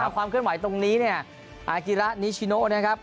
ความเคลื่อนไหวตรงนี้เนี่ย